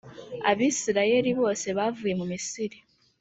abisirayeli bose bavuye mu misiri